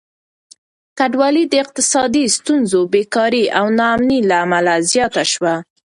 کډوالي د اقتصادي ستونزو، بېکاري او ناامني له امله زياته شوه.